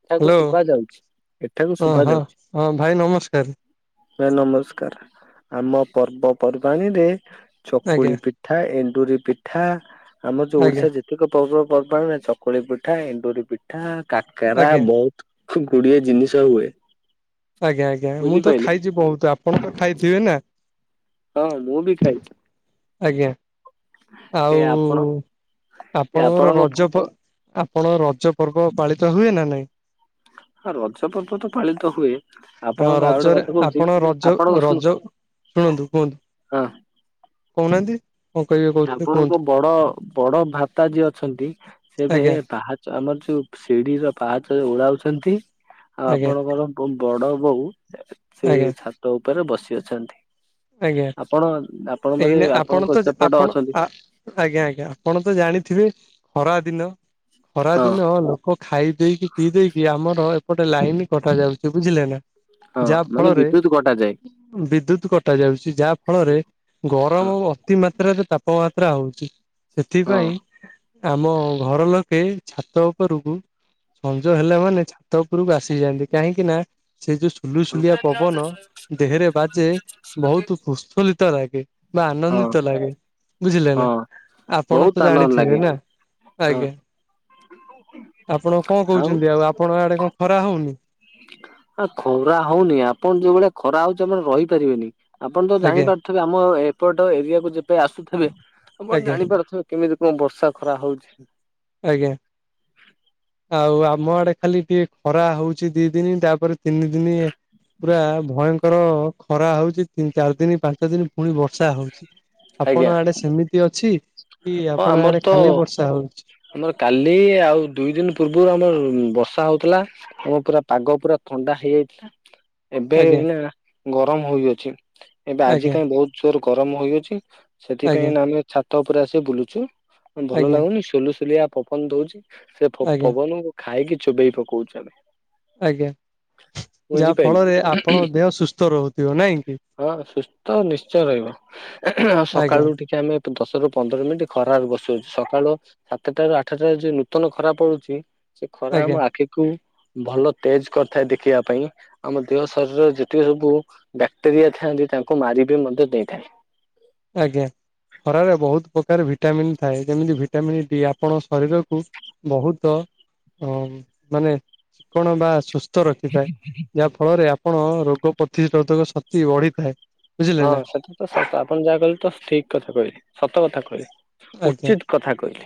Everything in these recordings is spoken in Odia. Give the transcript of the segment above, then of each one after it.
ଏଠାକୁ ହ୍ୟାଲୋ ଶୁଭା ଯାଉଛି। ଏଠାକୁ ହଁ ଶୁବା ହଁ ଯାଉଛି। ହଁ ଭାଇ ନମସ୍କାର ଭାଇ ନମସ୍କାର। ଆମ ପର୍ବପର୍ବାଣିରେ ଆଜ୍ଞା ଚକୁଳି ପିଠା, ଏଣ୍ଡୁରି ପିଠା, ଆମର ଯୋଉ ଆଜ୍ଞା ଓଡିଶାରେ ଯେ ଯେତିକି ପର୍ବ ପର୍ବାଣି ରେ ଚକୁଳି ପିଠା, ଏଣ୍ଡୁରି ପିଠା କାକରା ଆଜ୍ଞା। ବ ଗୁଡିଏ ଜିନିଷ ହୁଏ। ଆଜ୍ଞା ଆଜ୍ଞା। ମୁଁ ତ ବୁଝିପାରିଲେ ଖାଇଛି ବୋହୁତ୍। ଆପଣ ତ ଖାଇଥିବେ ନା? ହଁ ମୁଁ ବି ଖାଇଛି। ଆଜ୍ଞା। ଏ ଆଉ ଆପଣ ଏ ଆପଣଙ୍କର ଆପଣଙ୍କ ରଜ ପ ଆପଣ ରଜ ପର୍ବ ପାଳିତ ହୁଏ ନା ନାଇଁ? ହ ରଜ ପର୍ବ ତ ପାଳିତ ହୁଏ। ହଁ ଆପଣଙ୍କ ଆଉ ଗୋଟେ ରଜରେ କଥା କହୁଛି ଆପଣ ରଜ ଆପଣ ଶୁ ରଜ ଶୁଣନ୍ତୁ କୁହନ୍ତୁ। କହୁନାହାନ୍ତି କ ଆପଣଙ୍କ ବଡ ବଡ ଭାତା ଯିଏ ଅଛନ୍ତି ସେବେ ଆଜ୍ଞା ବାହା ଆମର ଯୋଉ ଶିଢିର ପାହାଚ ଯୋଉ ଓଳାଉଛନ୍ତି। ଆଉ ଆଜ୍ଞା ଆପଣଙ୍କର ଏବଂ ବଡ ବୋଉ ସେ ଆଜ୍ଞା ଛାତ ଉପରେ ବସି ଅଛନ୍ତି। ଆଜ୍ଞା ଆପଣ ଆପଣ ବୋଧେ ଏଇନା ଆପଣ ଆପଣଙ୍କ ତ ଚ ଆପଣ ଆ-ଆଜ୍ଞା ଆଜ୍ଞା। ଆପଣ ତ ଜାଣିଥିବେ ଖରା ଦିନ। ଖରା ହଁ ଦିନ ଲୋକ ଖାଇ ଦେଇେଇକି ପିଇ ଦେଇେଇକି ଆମର ଏପଟେ ଲାଇନ କଟା ଯାଉଛି ବୁଝିଲେ ନା। ହଁ ଯାହା ମାନେ ଫଳରେ ବିଦ୍ୟୁତ କଟାଯାଏ ବିଦ୍ୟୁତ୍ କଟା ଯାଉଛି। ଯାହା ଫଳରେ ହଁ ଗରମ ଅତି ମାତ୍ରାରେ ତାପମାତ୍ରା ହୋଉଛି। ହଁ। ସେଥିପାଇଁ ଆମ ଘର ଲୋକେ ଛାତ ଉପରକୁ ସଞ୍ଜ ହେଲା ମାନେ ଛାତ ଉପରକୁ ଆସିଯାଆନ୍ତି କାହିଁକି ନା ସେଇ ଯୋଉ ସୁଲୁସୁଲିଆ ପବନ ଦେହରେ ବାଜେ ବହୁତ ପୁଷ୍ପଲିତ ଲାଗେ। ବା ହଁ ଆନନ୍ଦିତ ଲାଗେ ବୁଝିଲେ ନା। ହଁ ଆପଣ ବହୁତ ତ ଆନନ୍ଦ ଜାଣିଥିବେ ଲାଗେ ନା ହଁ ଆଜ୍ଞା। ଆପଣ କଣ କୋହୁଚନ୍ତି ଆଉ ଆପଣଙ୍କ ଆଡେ କଣ ଖରା ହୋଉନି? ଆ ଖରା ହୋଉନି ଆପଣ ଯୋଉ ଭଳିଆ ଖରା ହୋଉଚି ଆପଣ ରହିପାରିବେନି। ଆପଣ ତ ଆଜ୍ଞା ଜାଣିପାରୁଥିବେ ଆମ ଏପଟ ଏରିଆକୁ ଯେପ ଆସୁଥିବେ ଆପଣ ଆଜ୍ଞା ଜାଣିପାରୁଥିବେ। କେମିତି କଣ ବର୍ଷା ଖରା ହୋଉଛି। ଆଜ୍ଞା ଆଉ ଆମ ଆଡେ ଖାଲି ଟିକେ ଖରା ହୋଉଚି ଦିଇ ଦିନ ତାପରେ ତିନି ଦିନି ପୁରା ଭୟଙ୍କର ଖରା ହୋଉଚି ତିନି ଚାରି ଦିନ ପାଞ୍ଚ ଦିନ ପୁଣି ବର୍ଷା ହୋଉଛି ଆଜ୍ଞା ଆପଣ ଆଡେ ସେମିତି ଅଛି? କି ହଁ ଆପଣ ଆମର ଆଡେ ତ ଖାଲି ବର୍ଷା ହଉଛି ଆମର କାଲି ଆଉ ଦୁଇ ଦିନ ପୂର୍ବରୁ ଆମର ବର୍ଷା ହୋଉଥୁଲା ଆମ ପୁରା ପାଗ ପୁରା ଥଣ୍ଡା ହେଇଯାଇଥିଲା। ଏବେ ଆଜ୍ଞା ଏଇନା ଗରମ ହୋଇଅଛି ଏବେ ଆଜି ଆଜ୍ଞା କାହିଁ ବୋହୁତ ଜୋର ଗରମ ହୋଇଅଛି ଆଜ୍ଞା ସେଥିପାଇଁ ଆମେ ଛାତ ଉପରେ ଆସି ବୁଲୁଚୁ। ଭଲ ଆଜ୍ଞା ଲାଗୁନି ସୁଲୁସୁଲିଆ ପବନ ଦୋଉଚି ସେ ଆଜ୍ଞା ପ-ପବନକୁ ଖାଇକି ଚୋବେଇ ପକଉଚୁ ଆମେ। ଆଜ୍ଞା ଯାହା ବୁଝିପାଇଲେ। ଫଳରେ ଆପଣଙ୍କ ଦେହ ସୁସ୍ଥ ରହୁଥିବ। ନାଇଁ କି? ହଁ ସୁସ୍ଥ ନିଶ୍ଚୟ ରହିବ। ଆ ଆଜ୍ଞା ସକାଳୁ ଟିକେ ଆମେ ଦଶରୁ ପନ୍ଦର ମିନିଟ ଖରାରେ ବସୁଅଛୁ ସକାଳୁ ସାତଟାରୁ ଆଠଟା ଯଉ ନୂତନ ଖରା ପଡୁଚି ସେ ଖରା ଆଜ୍ଞା ଆମ ଆଖିକୁ ଭଲ ତେଜ କରିଥାଏ ଦେଖିବା ପାଇଁ। ଆମ ଦେହ ଶରୀରରେ ଯେତିକି ସବୁ ବ୍ୟାକ୍ଟେରିଆ ଥାଆନ୍ତି ତାଙ୍କୁ ମାରିବିି ମଧ୍ୟ ଦେଇଥାଏ। ଆଜ୍ଞା ଖରାରେ ବୋହୁତ ପ୍ରକାର ଭିଟାମିନ ଥାଏ ଯେମିତି ଭିଟାମନ୍ ଡି ଆପଣ ଶରୀରକୁ ବୋହୁତ ଅ ମାନେ ଚିକଣ ବା ସୁସ ସ୍ଥ ରଖିଥାଏ ଯାହାଫଳରେ ଆପଣ ରୋଗ ପ୍ରତିରୋଧକ ଶକ୍ତି ବଢ଼ିଥାଏ। ହଁ ସେଟା ତ ସ ଆପଣ ଯାହା କହିଲେ ତ ଠିକ କଥା କହିଲେ ସତ କଥା କହିଲେ। ଆଜ୍ଞା ଉଚିତ କଥା କହିଲେ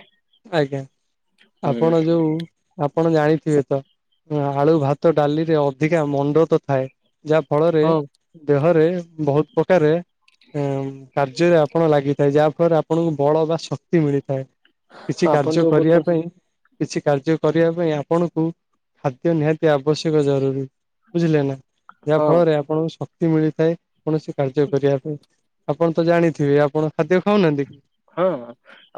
ଆଜ୍ଞା ହୁଁ ଆପଣ ଯୋଉ ଆପଣ ଜାଣିଥିବେ ତ ଆଳୁ, ଭାତ, ଡାଲିରେ ଅଧିକା ମଣ୍ଡତ ଥାଏ। ଯାହା ଫଳରେ ହଁ ଦେହରେ ବୋହୁତ ପ୍ରକାରେ କାର୍ଯ୍ୟରେ ଆପଣ ଲାଗିଥାଏ ଯାହା ଫଳରେ ଆପଣଙ୍କୁ ବଳ ବା ଶକ୍ତି ମିଳିଥାଏ। କିଛି ଆପଣ କାର୍ଯ୍ୟ ଯୋଉ କରିବା କହୁଛନ୍ତି ପାଇଁ କିଛି କାର୍ଯ୍ୟ କରିବା ପାଇଁ ଆପଣଙ୍କୁ ଖାଦ୍ୟ ନିହାତି ଆବଶ୍ୟକ ଜରୁରୀ ବୁଝିଲେ ନା? ଯାହା ହଁ ଫଳରେ ଆପଣଙ୍କୁ ଶକ୍ତି ମିଳିଥାଏ କୌଣସି କାର୍ଯ୍ୟ କରିବା ପାଇଁ। ଆପଣ ତ ଜାଣିଥିବେ ଆପଣ ଖାଦ୍ୟ ଖାଉନାହାନ୍ତି କି? ହଁ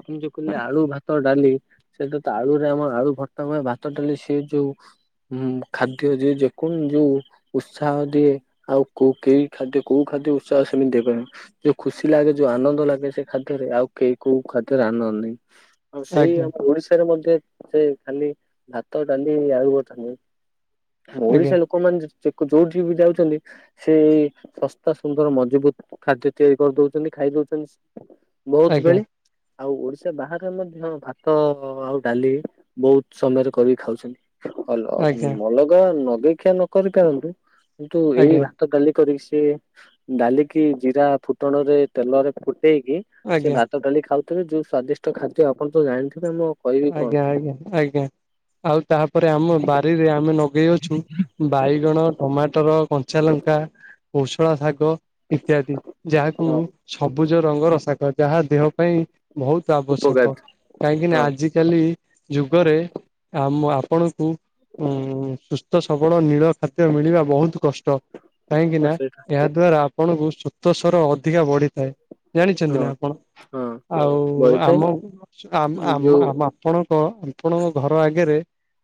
ଆପଣ ଯୋଉ କହିଲେ ଆଳୁ, ଭାତ, ଡାଲି ସେ ତ ଆଳୁରେ ଆମର ଆଳୁ ଭରତା, ଭାତ, ଡାଲି ସେ ଯୋଉ ହୁଁ ଖାଦ୍ୟ ଯେ ଯେକୌଣସି ଯୋଉ ଉତ୍ସାହ ଦିଏ ଆଉ କୋଉ କେଇ ଖାଦ୍ୟ କୋଉ ଖାଦ୍ୟ ଉତ୍ସାହ ସେମିତି ଦେଇ ପାରିବେନି। ଯୋଉ ଖୁସି ଲାଗେ, ଯୋଉ ଆନନ୍ଦ ଲାଗେ ସେ ଖା ରେ ଆଉ କେ କୋଉ ଖାଦ୍ୟ ଆନନ୍ଦ ନାହିଁ। ଆଉ ସେଇ ଆଜ୍ଞା ଆମ ଓଡିଶାରେ ମଧ୍ୟ ସେ ଖାଲି ଭାତ, ଡାଲି, ଆଳୁ ଭରତା, ଆଜ୍ଞା ଓଡିଶା ଲୋକ ଲୋକମାନେ ଯୋଉଠି ବି ଯାଉଚନ୍ତି ସେଇ ଶସ୍ତା ସୁନ୍ଦର ମଜବୁତ ଖାଦ୍ୟ ତିଆରି କରି ଦୋଉଚନ୍ତି ଖାଇ ଦୋଉଚନ୍ତି। ବୋହୁତ ଆଜ୍ଞା ବେଳେ ଆଉ ଓଡିଶା ବାହାରେ ମଧ୍ୟ ଭାତ ଆଉ ଡାଲି ବହୁତ ସମୟରେ କରିକି ଖାଉଛନ୍ତି। ଅଲ ଆଜ୍ଞା ଅଲଗା ଲଗେଇ ଖିଆ ନ କରିପାରନ୍ତୁ କିନ୍ତୁ ଏଇ ଆଜ୍ଞା ଭାତ, ଡାଲି କରିକି ସେ ଡାଲିକି ଜିରା, ଫୁଟଣ ରେ ତେଲରେ ଫୁଟେଇକି ସେ ଆଜ୍ଞା ଆଜ୍ଞା ଭା ଡାଲି ଖାଉଥିବେ ଯଉ ସ୍ଵାଦିଷ୍ଟ ଖାଦ୍ୟ ଆପଣ ତ ଜାଣିଥିବେ ଆମ ଆଜ୍ଞା ଆଜ୍ଞା ଆଜ୍ଞା ଆଉ ତାପରେ ଆମ ବାରିରେ ଆମେ ଲଗେଇ ଅଛୁ ବାଇଗଣ, ଟମାଟର, କଞ୍ଚା ଲଙ୍କା, କୋଶଳା ଶାଗ ଇତ୍ୟାଦି ଯାହାକୁ ହଁ ସବୁଜ ରଙ୍ଗର ଶାଗ ଯାହା ଦେହ ପାଇଁ ବହୁତ ଉପକାର ଆବଶ୍ୟକ କାହିଁକି ନା ଆଜିକାଲି ଯୁଗରେ ଆମ ଆପଣଙ୍କୁ ଉଁ ସୁସ୍ଥ ସବଳ ନୀଳ ଖାଦ୍ୟ ମିଳିବା ବହୁତ କଷ୍ଟ। କାହିଁକି ହଁ ନା ସେଇଟା ଏହା ଦ୍ଵାରା ଆପଣଙ୍କୁ ଶ୍ୱେତସାର ଅଧିକା ବଢି ଥାଏ ଜାଣିଛନ୍ତି ହଁ ନା ଆପଣ, ହଁ ଆଉ ବଳିଥାଏ ଆମ ଯୋଉ ଆମ ଆପଣଙ୍କ, ଆପଣଙ୍କ ଘର ଆଗରେ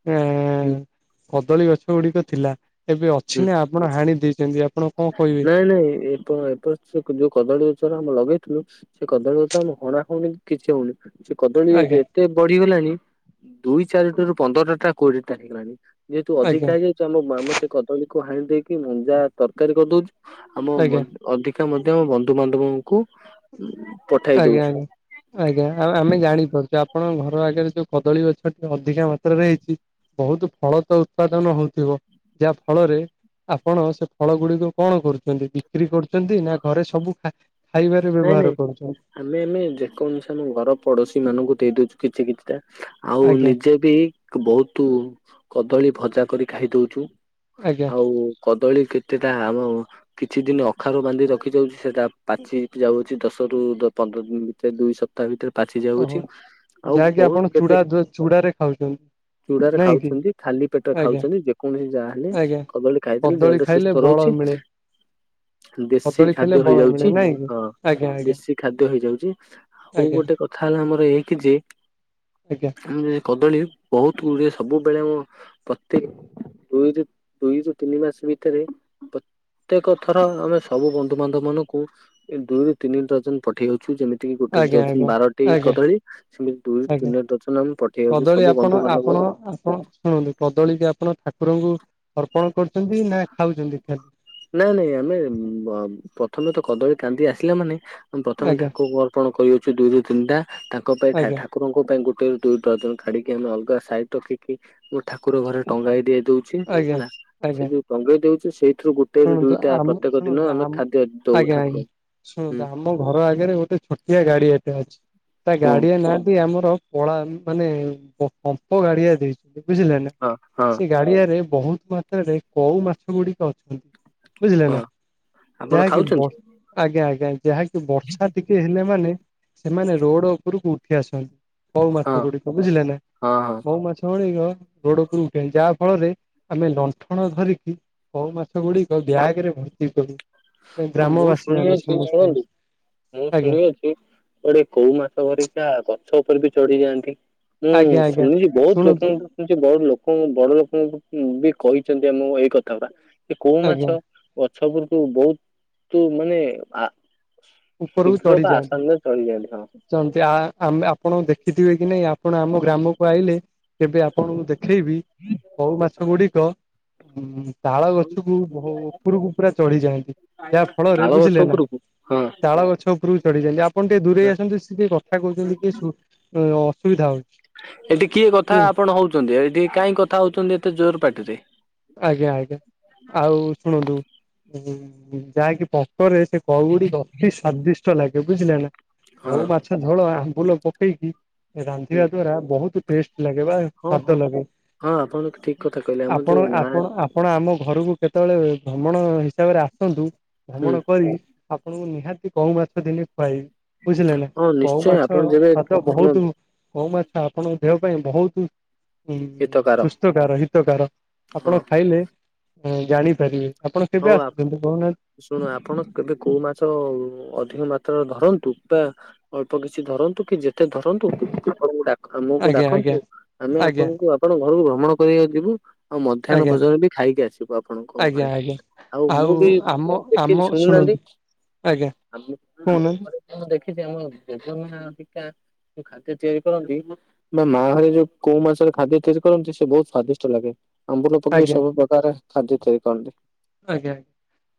ଆ ହୁଁ ହୁଁ। କଦଳୀ ଗଛ ଗୁଡିକ ଥିଲା ଏବେ ଅଛି ନା ଆପଣ ହାଣି ଦେଇଛନ୍ତି ଆପଣ କଣ କହିବେ? ନାଇ ନାଇ ଏ ସେ ଯୋଉ କଦଳୀ ଗଛରେ ଆମେ ଲଗେଇଥିଲୁ ସେ କଦଳୀ ଗଛରେ ଆମେ ହଣା ହୁଣି କିଛି ହଉନି। ସେ କଦଳୀ ଯେ ଆଜ୍ଞା ଏତେ ବଢିଗଲାଣି ଦୁଇ ଚାରିଟାରୁୁ ପନ୍ଦରଟା ଟା କୋଡିଏ ଟା ହେଇଗଲାଣି ଯେହେତୁ ଆଜ୍ଞା ଅଧିକା ହେଇ ଆମ ମାମା ସେ କଦଳୀକୁ ହାଣି ଦେଇକି ମଞ୍ଜା ତରକାରୀ କରିଦଉଚୁ ଆମ ଆଜ୍ଞା ମ ଅଧିକା ମଧ୍ୟ ଆମ ବନ୍ଧୁବାନ୍ଧବଙ୍କୁ ପଠାଇ ଆଜ୍ଞା ଦୋଉଚୁ। ଆଜ୍ଞା ଆଜ୍ଞା ଆଉ ଆମେ ଜାଣିପାରୁଚୁ ଆପଣଙ୍କ ଘର ଆଗେରେ ଯୋଉ କଦଳୀ ଗଛଟି ଅଧିକା ମାତ୍ରାରେ ହେଇଚି ବହୁତୁ ଫଳ ତ ଉତ୍ପାଦନ ହଉଥିବ ଯାହା ଫଳରେ ଆପଣ ସେ ଫଳ ଗୁଡିକ କଣ କରୁଚନ୍ତି ବିକ୍ରି କରୁଚନ୍ତି ନା ଘରେ ସବୁ ଖା ଖାଇବା ନାଇଁ ବ୍ୟବହାର ନାଇଁ କରୁଚନ୍ତି। ଆମେ ଆମେ ଯେକୌଣସି ଆମ ଘର ପଡୋଶୀ ମାନଙ୍କୁ ଦେଇ ଦଉଚୁ କିଛି କିଛିଟା ଆଉ ଆଜ୍ଞା ନିଜେ ବି ବହୁତୁ କଦଳୀ ଭଜା କରି ଖାଇଦଉଚୁ ଆଜ୍ଞା ଆଉ କଦଳୀ କେତେଟା ଆମ କିଛି ଦିନ ଅଖାରୁ ବାନ୍ଧି ରଖି ଦଉଚୁ ସେଟା ପାଚି ହଉଚି ଦଶରୁ ଦ ପନ୍ଦର୍ ଦିନ୍ ଭିତରେ ଦୁଇଶ ତା ଭିତରେ ପାଚି ଓହୋ ଯାଉଚି ଆଉ ଯାହାକି ବହୁତ୍ ଆପଣ କେତେ ଚୂଡା ଚୂଡାରେ ଖାଉଛନ୍ତି ଚୁଡାରେ ନାଇଁ କି ଖାଉଚନ୍ତି ଖାଲି ପେଟରେ ଆଜ୍ଞା ଖାଉଚନ୍ତି ଯେକୌଣସି ଯାହା ହେଲେ ଆଜ୍ଞା କଦଳୀ ଖାଇଦେଲେ କଦଳୀ ଦେହଟା ସୁସ୍ଥ ଖାଇଲେ ବଳ ରହୁଚି। ମିଳେ ଦେଶୀ କଦଳୀ ଖାଇଲେ ଖାଦ୍ୟ ବଳ ମିଳେ ହେଇଯାଉଚି। ନାଇଁ କି ହଁ ଆଜ୍ଞା ଆଜ୍ଞା ଦେଶୀ ଖାଦ୍ୟ ହେଇଯାଉଚି ଆଉ ଆଜ୍ଞା ଗୋଟେ କଥା ହେଲା ଆମର ଏଇକି ଯେ ଆଜ୍ଞା। ଆମେ କଦଳୀ ବହୁତ୍ ଗୁଡ଼ିଏ ସବୁବେଳେ ଆମ ପ୍ରତେକ୍ ଦୁଇ- ଦୁଇରୁ ତିନି ମାସ ଭିତରେ ପ୍ରତ୍ୟେକ ଥର ଆମେ ସବୁ ବନ୍ଧୁବାନ୍ଧବ ମାନଙ୍କୁ ଏ ଦୁଇରୁ ତିନି ଡର୍ଜନ ପଠେଇ ଦଉଚୁ ଯେମିତି ତି ଗୋଟେ ଆଜ୍ଞା ଡର୍ଜନ ବାରଟି ଆଜ୍ଞା ଆଜ୍ଞା କଦଳୀ ସେମିତି ଦୁଇ ରୁ ଆଜ୍ଞା ତିନି ଡର୍ଜନ ଆମେ ପଠେଇ ଦଉଚୁ କଦଳୀ ସବୁ ଆପଣ ଆପଣ ବନ୍ଧୁବାନ୍ଧବ ଆପଣ ଶୁଣନ୍ତୁ କଦଳୀ କି ଆପଣ ଠାକୁରଙ୍କୁ ଅର୍ପଣ କରୁଚନ୍ତି ନା ଖାଉଚନ୍ତି ଖାଲି? ନାଇଁ ନାଇଁ ଆମେ ଅ ପ୍ରଥମେ ତ କଦଳୀ କାନ୍ଧି ଆସିଲା ମାନେ ଆମେ ପ୍ରଥମେ ଆଜ୍ଞା ଠାକୁରଙ୍କୁ ଅ ଅର୍ପଣ କରିଦଉଚୁ ଦୁଇ ରୁ ତିନିଟା ତାଙ୍କ ପାଇଁ ଠା ଆଜ୍ଞା ଠାକୁ ଠାକୁରଙ୍କ ପାଇଁ ଗୋଟେରୁ ଦୁଇ ଡର୍ଜନ କାଢିକି ଆମେ ଅଲଗା ସାଇଡ୍ ରଖିକି ମୁଁ ଠାକୁର ଘରେ ଟଙ୍ଗେଇ ଦିଏ ଦଉଚି ଆଜ୍ଞା ହେଲା ସେ ଆଜ୍ଞା ଯଉ ଟଙ୍ଗେଇ ଦଉଚି ସେଇଥିରୁ ଗୋ ଗୋଟେ ରୁ ଶୁଣନ୍ତୁ ଦୁଇଟା ଆମ ପ୍ରତ୍ୟେକ ଶୁଣନ୍ତୁ ଦିନ ଆମେ ଆମ ଖାଦ୍ୟ ଦଉ ଆଜ୍ଞା ଆଜ୍ଞା ଠାକୁରଙ୍କୁ। ଶୁଣନ୍ତୁ ହୁଁ ଆମ ଘର ଆଗରେ ଗୋଟେ ଛୋଟିଆ ଗାଡିଆଟେ ଅଛି ତା ହଁ ଗାଡିଆ ନାଁଟି ଆମର କଳା ମାନେ ପଙ୍କ୍ ପଙ୍କ ଗାଡିଆ ଦେଇଚନ୍ତି ବୁଝିଲେ ନା ହଁ ସେ ଗାଡିଆରେ ବହୁତ୍ ମାତ୍ରାରେ କଉ ମାଛ ଗୁଡିକ ଅଛନ୍ତି। ବୁଝିଲେ ନା ହଁ ଆପଣ ଯାହାକି ଖାଉଛନ୍ତି ବର୍ ଆଜ୍ଞା-ଆଜ୍ଞା, ଯାହାକି ବର୍ଷା ଟିକେ ହେଲେ ମାନେ ସେମାନେ ରୋଡ ଉପରକୁ ଉଠି ଆସନ୍ତି। କଉ ହଁ ମାଛ ଗୁଡିକ ବୁଝିଲେ ନା ହଁ ହଁ କଉ ମାଛଗୁଡିକ ରୋଡ ଉପରକୁ ଉଠିଯାଏ ଯାହା ଫଳରେ ଆମେ ଲଣ୍ଠନ ଧରିକି କଉ ମାଛଗୁଡିକ ବ୍ୟାଗରେ ଭର୍ତ୍ତି କରୁ। ହଁ ମୁଁ ଗ୍ରାମବାସୀ ମାନେ ଶୁଣିଅଛି ସମସ୍ତେ ଶୁଣନ୍ତୁ ମୁଁ ଆଜ୍ଞା ଶୁଣିଅଛି କି କୁଆଡେ କଉ ମାଛ ହରିକା ଗଛ ଉପରେ ବି ଚଢି ଯାଆନ୍ତି? ମୁଁ ଆଜ୍ଞା ଆଜ୍ଞା ଶୁଣିଚି ବହୁତ୍ ଶୁଣନ୍ତୁ ଲୋକଙ୍କଠୁ। ଶୁଣିଛି ବହୁତ ଲୋକଙ୍କୁ ବଡ ଲୋକଙ୍କୁ ବି କହିଛନ୍ତି ଆମ ଏଇ କଥା ‌ପା କି କଉ ଆଜ୍ଞା ମାଛ ଗଛ ଉପରୁକୁ ବହୁ-ତୁ ମାନେ ଆ ଉପରକୁ ଶୀଘ୍ର ଚଢି ପା ଯାଆନ୍ତି। ଆସାମରେ ଚଳିଯାଆନ୍ତି ହଁ। ଚନ୍ତି ଆ ଆମେ ଆପଣ ଦେଖିଥିବେ କି ନାଇଁ ଆପଣ ଆମ ଗ୍ରାମକୁ ଆଇଲେ କେବେ ଆପଣଙ୍କୁ ଦେଖେଇବି କଉ ମାଛ ଗୁଡିକ ଉଁ ତାଳ ଗଛକୁ ବହୁ ଉପରକୁ ପୁରା ଚଢି ଯାଆନ୍ତି ଯାହା ଫଳରେ ତାଳ ଗଛ ବୁଝିଲେ ନା? ଉପରକୁ ହଁ। ତାଳ ଗଛ ଉପରକୁ ଚଢି ଯାଆନ୍ତି, ଆପଣ ଟିକେ ଦୂରେଇ ଆସନ୍ତୁ ସିଏ କଥା କହୁଚନ୍ତି କିଏ ଶୁ ଉ ଅସୁବିଧା ହଉଚି। ଏଠି କିଏ କଥା ଆପଣ ହଉଚନ୍ତି ଏଠି କାଇଁ କଥା ହଉଚନ୍ତି ଏତେ ଜୋର୍ ପାଟିରେ। ଆଜ୍ଞା-ଆଜ୍ଞା ଆଉ ଶୁଣନ୍ତୁ, ଉଁ-ଉଁ-ଉଁ ଯାହାକି ପଙ୍କରେ ସେ କଉ ଗୁଡିକ ଅତି ସ୍ଵାଦିଷ୍ଟ ଲାଗେ ବୁଝିଲେ ନା ହଁ। କଉ ମାଛ ଝୋଳ ଆମ୍ବୁଲ ପକେଇକି ରାନ୍ଧିବା ଦ୍ଵାରା ବହୁତ ଟେଷ୍ଟ୍ ଲାଗେ ବା। ସ୍ଵାଦ ହଁ-ହଁ, ହଁ ଆପଣ ଠିକ୍ କଥା କହିଲେ ଆମର ଆପଣ-ଆପଣ-ଆପଣ ଆମ ଘରକୁ କେତେବେଳେ ଭ୍ରମଣ ହିସାବରେ ଆସନ୍ତୁ ହୁଁ ଭ୍ରମଣ କରି ଆପଣଙ୍କୁ ନିହାତି କଉ ମାଛ ଦିନେ ଖୁଆଇବି। ବୁଝିଲେ ନା ହଁ କଉ ନିଶ୍ଚୟ ମାଛ ଆପଣ ଯେବେ ସ୍ବାଦ ବହୁତ୍ ଶୁଣନ୍ତୁ କଉ ମାଛ ଆପଣଙ୍କ ଦେହ ପାଇଁ ବହୁତୁ ଉଁ-ଉଁ ହିତକାର ସୁସ୍ଥକାର ହିତକାର। ହଁ ଆପଣ ଖାଇଲେ ଜାଣିପାରିବେ, ଆପଣ ହଉ କେବେ ଆ ଆସୁଛନ୍ତି, କହୁନାହାନ୍ତି? ଶୁଣ ଆପଣ କେବେ କଉ ମାଛ ଅଧିକ ମାତ୍ରାରେ ଧରନ୍ତୁ। ତା ଅଳ୍ପ କିଛି ଧରନ୍ତୁ କି ଯେ ଯେତେ ଧରନ୍ତୁ, ଆପଣ ଡାକ୍ ଆମକୁ ଆଜ୍ଞା ଆଜ୍ଞା ଡାକନ୍ତୁ, ଆମେ ଆଜ୍ଞା ଆପଣଙ୍କୁ ଅ ଆପଣଙ୍କ ଘରକୁ ଭ୍ରମଣ କରିବାକୁ ଯିବୁ, ଆଉ ମଧ୍ୟାହ୍ନ ଆଜ୍ଞା ଭୋଜନ ବି ଖାଇକି ଆସିବୁ ଆପଣଙ୍କ ଆଜ୍ଞା ଘରେ। ଆଜ୍ଞା। ଆଉ ମୁଁ ବି ଆମ ମୁଁ ଆମ ଦେଖିଚି ଶୁଣୁନାହାନ୍ତି ଶୁଣନ୍ତୁ ଆଜ୍ଞା କହୁନାହାନ୍ତି ମୁଁ ଦେଖିଛି ଆମ ଦେବୁନନା ଟିକେ‌ [unintelligible] ଖାଦ୍ୟ ତିଆରି କରନ୍ତି ମୋ ମାଆ ହେରିକା ଯୋଉ କଉ ମାଛରେ ଖାଦ୍ୟ ତିଆରି କରନ୍ତି ସେ ବହୁତ ସ୍ଵାଦିଷ୍ଟ ଲାଗେ। ଆମ୍ବୁଲ ପକେଇ ଆଜ୍ଞା ସବୁ ପ୍ରକାର ଖାଦ୍ୟ ତିଆରି କରନ୍ତି। ଆଜ୍ଞା-ଆଜ୍ଞା,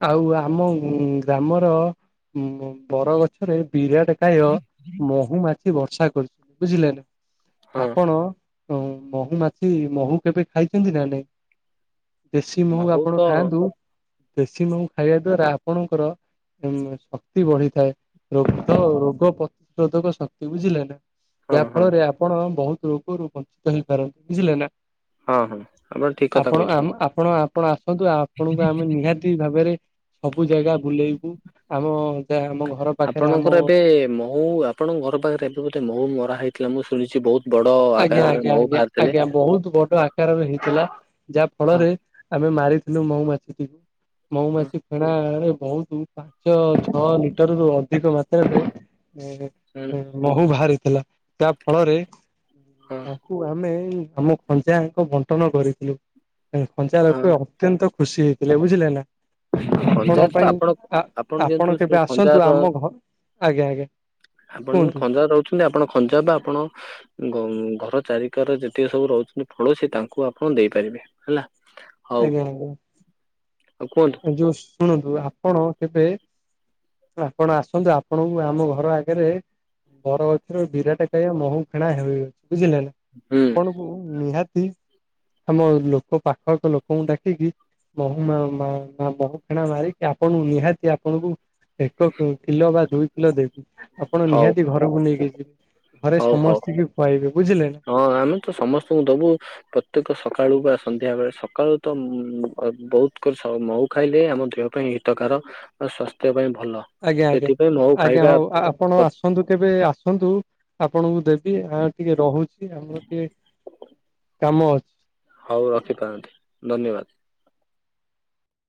ଆଉ ଆମ ଉଁ-ଉଁ ଆମର ଉଁ ବରଗଛରେ ବିରାଟକାୟ ମ ମହୁମାଛି ବର୍ଷା କରିଚି ବୁଝିଲେ ନା, ହଁ ଆପଣ ହୁଁ ମହୁମାଛି ମହୁ କେବେ ଖାଇଛନ୍ତି ନା ନାଇଁ? ଦେଶୀ ମହୁ ବହୁତ ଆପଣ ଖାଆନ୍ତୁ ଦେଶୀ ମହୁ ଖାଇବା ଦ୍ଵାରା ଆପଣଙ୍କର ଉଁ ଶକ୍ତି ବଢିଥାଏ। ରୋଗ, ରୋଗ ପ୍ରତିଶୋଧକ ଶକ୍ତି ବୁଝିଲେ ନା, ହଁ ଯାହା ହଁ। ଫଳରେ ଆପ୍ ଆପଣ ବହୁତ ରୋଗରୁ ବଞ୍ଚିତ ହେଇପାରନ୍ତି, ବୁଝିଲେ ନା। ହଁ-ହଁ, ଆପଣ ଠିକ୍ କଥା କହିଛନ୍ତି। ଆପଣ ଆପଣ ଆସନ୍ତୁ, ଆପଣଙ୍କୁ ଆମେ ନିହାତି ଭାବରେ ସବୁ ଜାଗା ବୁଲେଇବୁ ଆମ ଯାହା ଆମ ଘର ପାଖରେ। ପୁଅ ଆମ ଙ୍କର ଏବେ ମ ମୁଁ ଆପଣଙ୍କ ଘର ପାଖରେ ଏବେ ଗୋଟେ ମହୁ ମରା ହେଇଥିଲା ମୁଁ ଶୁଣିଚି ବହୁତ୍। ଆଜ୍ଞା ଆଞା ଆଞା, ଆଜ୍ଞା ବହୁତ୍ ବଡ। ଆକାରରେ ହେଇଥିଲା ଯାହା ହଁ ଫଳରେ ଆମେ ମାରିଥିଲୁ, ମହୁମାଛି ଟି। ହଁ ମଉମାଛି ଫେଣା ରେ ବହୁତ୍ ପାଞ୍ଚ ଛଅ ଲିଟର ରୁ ଅଧିକ ମାତ୍ ମାତ୍ରା ରେ ଏଁ ହଁ ଏଁ ମହୁ ବାହାରିଥିଲା, ତା ଫଳରେ। ହଁ କୁ ଆମେ ଆମ ଖଞ୍ଜା ଯାଙ୍କ ବଣ୍ଟନ କରିଥିଲୁ ଖଞ୍ଜା ଲୋକ ହଁ ଅ ଅତ୍ୟନ୍ତ ଖୁସି ହେଇଥିଲେ ବୁଝିଲେ ନା। ଆପଣଙ୍କ ଖଞ୍ଜାର ତ ପାଇଁ ଆପଣ ଆ ଯେହେତୁ ଆପଣ କେବେ ଆସନ୍ତୁ ଖଞ୍ଜାର ଆମ ଘ, ଆଜ୍ଞା ଆଜ୍ଞା। ଆପଣ କୁହନ୍ତୁ ଖଞ୍ଜା ରେ ରଉଛନ୍ତି, ଆପଣ ଖଞ୍ଜା ରୁ ଆପଣ। ଘଂ ଘର ଚାରିକର ଯେତିକ ସବୁ ରହୁଚନ୍ତି ପଡୋସି ତାଙ୍କୁ ଆପଣ ଦେଇପାରିବେ। ହେଲା, ହଉ, ଆଉ କୁହନ୍ତୁ। ଏ ଯୋଉ ଶୁଣନ୍ତୁ, ଆପଣ କେବେ। ଆପଣ ଆସନ୍ତୁ, ଆପଣଙ୍କୁ ଆମ ଘର ଆଗରେ। ବର ଗଛରେ ବିରାଟା କାୟା ମହୁ ଫେଣା ହେଲେ୍ ବୁଝିଲେ ନା। ହୁଁ। ମୁଁ ନିହାତି। ଆମ ଲୋକ ପାଖ ଆଖ ଲୋକଙ୍କୁ ଡାକିକି ମହୁ ମା, ମା ହଁ ମହୁ ଫେଣା ମାରିକି ଆପଣଙ୍କୁ ନିହାତି ଆପଣଙ୍କୁ। ଏକ କ କିଲୋ ବା ଦୁଇ କିଲୋ ଦେବି। ଆପଣ ହଉ ନିହାତି ଘରକୁ ନେଇକି ଯିବେ, ଘରେ ହଉ ହଉ। ସମସ୍ତିଙ୍କି ଖୁଆଇବେ ବୁଝିଲେ ନା। ହଁ ଆମେ ତ ସମସ୍ତଙ୍କୁ ଦବୁ। ପ୍ରତ୍ୟେକ ସକାଳୁ ବା ସନ୍ଧ୍ୟା ବେଳେ ସକାଳୁ ତ ଉଁ ବହୁତ୍ କରି ମହୁ ଖାଇଲେ ଆମ ଦେହ ପାଇଁ ହିତ କାର ଓ ସ୍ୱାସ୍ଥ୍ୟ ପାଇଁ ଭଲ। ଆଜ୍ଞା ଆଜ୍ଞା ସେଥିପାଇଁ ମହୁ ଆଜ୍ଞା ଖାଇବା ହଉ ଆପଣ ପ୍ର- ଆସ୍ ନ୍ତୁ କେବେ ଆସନ୍ତୁ ଆପଣଙ୍କୁ ଦେବି ଆ ଟିକେ ରହୁଛି, ଆମର ଟିକେ। କାମ ଅଛି। ହଉ ରଖି ପାରନ୍ତି ଧନ୍ୟବାଦ।